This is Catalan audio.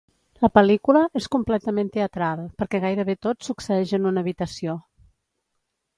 La pel·lícula és completament teatral, perquè gairebé tot succeeix en una habitació.